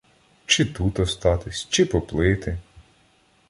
Чи тут остатись, чи поплити?